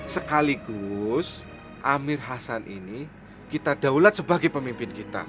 sekaligus amir hasan ini kita daulat sebagai pemimpin kita